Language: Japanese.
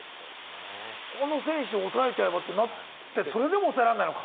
この選手を抑えちゃえばってなって、それでも抑えられないのか。